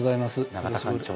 永田館長